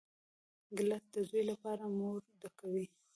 ګیلاس د زوی لپاره مور ډکوي.